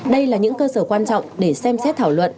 đây là những cơ sở quan trọng để xem xét thảo luận